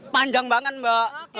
panjang banget mbak